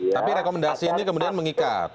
tapi rekomendasi ini kemudian mengikat